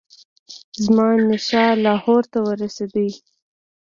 زمانشاه لاهور ته ورسېدی.